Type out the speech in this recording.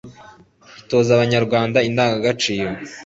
itoza abanyarwanda indangangaciro